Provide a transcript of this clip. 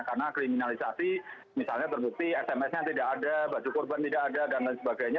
karena kriminalisasi misalnya terbukti sms nya tidak ada baju korban tidak ada dan lain sebagainya